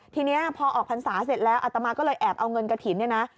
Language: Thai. ทีนี้พอออกพรรษาเสร็จแล้วอัตมาก็เลยแอบเอาเงินกระถิ่นเนี่ยนะ